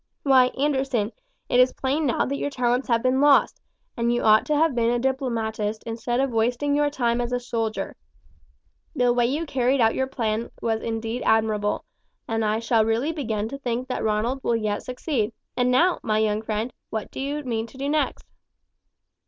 Why, Anderson, it is plain now that your talents have been lost, and that you ought to have been a diplomatist instead of wasting your time as a soldier. The way you carried out your plan was indeed admirable, and I shall really begin to think that Ronald will yet succeed; and now, my young friend, what do you mean to do next?"